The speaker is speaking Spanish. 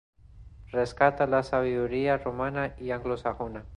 Rescata la sabiduría romana y anglosajona.